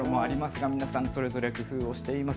それぞれ工夫をしています。